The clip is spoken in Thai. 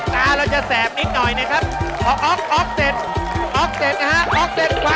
ผ่านไปตอนนี้ตั้งแต่ที่๙๕ต่อไป